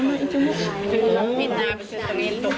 โอ้โหโอ้โห